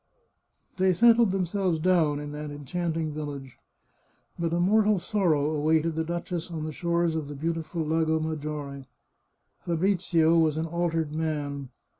They settled themselves down in that enchanting village. But a mortal sorrow awaited the duchess on the shores of the beautiful Lago Maggiore. Fabrizio was an altered man.